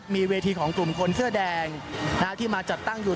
มีเวทีของกลุ่มคนเสื้อแดงที่มาจัดตั้งอยู่